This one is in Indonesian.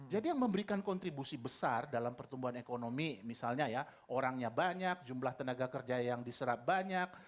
jadi yang memberikan kontribusi besar dalam pertumbuhan ekonomi misalnya ya orangnya banyak jumlah tenaga kerja yang diserap banyak